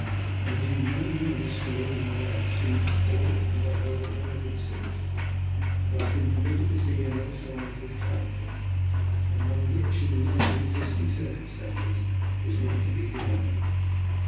I knew no more of the story than what I had seen, nor have I heard more of it since, but I had been permitted to see another side of his character, and one which, in the light of existing circumstances, was not to be denied.